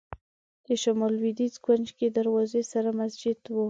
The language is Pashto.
د شمال لوېدیځ کونج کې دروازې سره مسجد و.